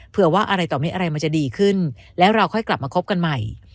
ว่าอะไรต่อไม่อะไรมันจะดีขึ้นแล้วเราค่อยกลับมาคบกันใหม่